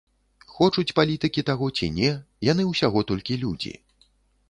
Хочуць палітыкі таго ці не, яны ўсяго толькі людзі.